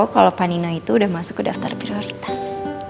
kalo panino itu udah masuk ke daftar prioritas